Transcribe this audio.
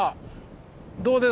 どうです？